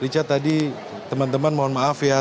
richard tadi teman teman mohon maaf ya